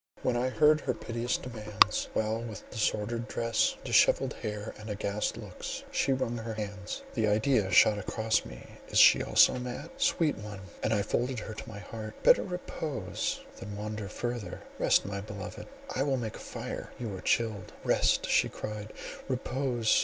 When I heard her piteous demands, while with disordered dress, dishevelled hair, and aghast looks, she wrung her hands—the idea shot across me is she also mad?—"Sweet one," and I folded her to my heart, "better repose than wander further;—rest—my beloved, I will make a fire—you are chill." "Rest!" she cried, "repose!